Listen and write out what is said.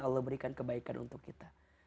allah berikan kebaikan untuk kita